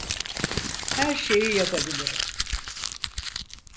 Her şeyi yapabilirim.